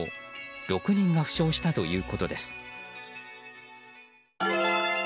６人が負傷したということです。